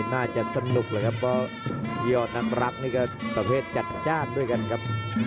น่าจะสนุกนะครับก็ยอดนักรักก็สะเพศจาดด้วยกันครับ